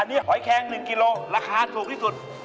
อันนี้หอยแคง๑กิโลราคาถูกที่สุด